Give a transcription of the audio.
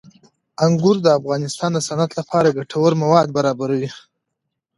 انګور د افغانستان د صنعت لپاره ګټور مواد برابروي.